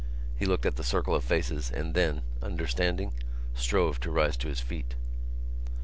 He looked at the circle of faces and then, understanding, strove to rise to his feet.